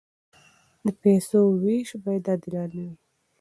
د پیسو وېش باید عادلانه وي.